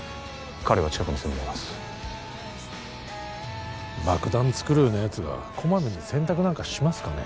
彼は近くに住んでいます爆弾作るようなやつがこまめに洗濯なんかしますかね